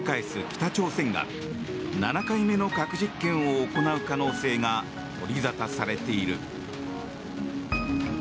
北朝鮮が７回目の核実験を行う可能性が取りざたされている。